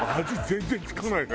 全然味付かない。